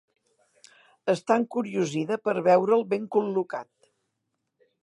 Està encuriosida per veure'l ben col·locat.